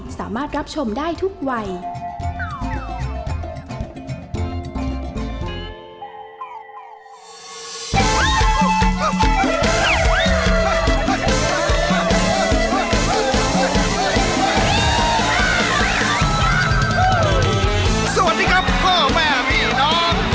สวัสดีครับพ่อแม่หมี่น้อง